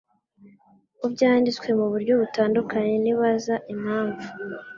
ko byanditswe mu buryo butandukanye nibaza impamvu